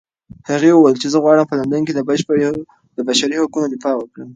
هغې وویل چې زه غواړم په لندن کې د بشري حقونو دفاع وکړم.